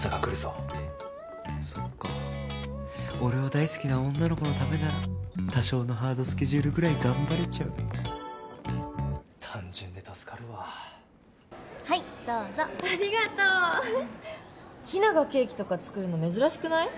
そっか俺を大好きな女の子のためなら多少のハードスケジュールぐらい頑張れちゃう単純で助かるわはいどうぞ・ありがとう・ヒナがケーキとか作るの珍しくない？